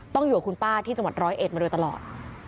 อยู่กับคุณป้าที่จังหวัดร้อยเอ็ดมาโดยตลอด